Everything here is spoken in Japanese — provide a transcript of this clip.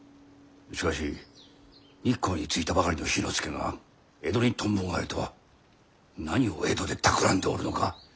しかし日光に着いたばかりの氷ノ介が江戸にとんぼ返りとは何を江戸でたくらんでおるのか。